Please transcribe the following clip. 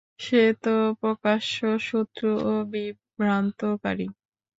সে তো প্রকাশ্য শত্রু ও বিভ্রান্তকারী।